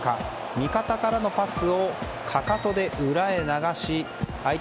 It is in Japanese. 味方からのパスをかかとで裏へ流し相手